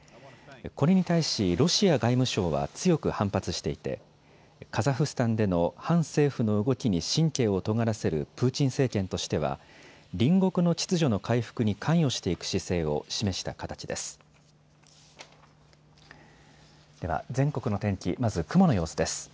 これに対しロシア外務省は強く反発していてカザフスタンでの反政府の動きに神経をとがらせるプーチン政権としては隣国の秩序の回復に関与していく姿勢を示した形です。